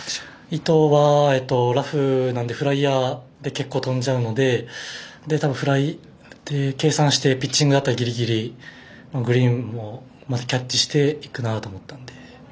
意図は、ラフなのでフライヤーで結構飛んじゃうのでたぶんフライって計算してピッチングだったらギリギリグリーンをまたキャッチしていくなと思って。